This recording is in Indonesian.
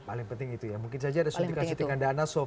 paling penting itu ya mungkin saja ada suntikan suntikan dana